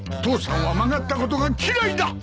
父さんは曲がったことが嫌いだ！